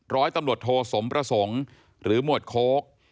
ร้อยตำรวจโทสมประสงค์หรือหมวดโค้ก